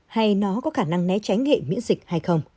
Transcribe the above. hay nó có khả năng né tránh nghệ miễn dịch hay không